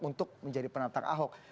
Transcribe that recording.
untuk menjadi penantang ahok